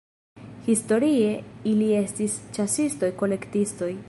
Historie ili estis ĉasistoj-kolektistoj.